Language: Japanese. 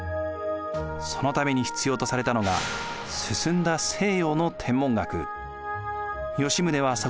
そのために必要とされたのが進んだ西洋の天文学。